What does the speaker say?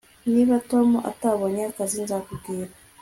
Niba Tom atabonye akazi nzakubwira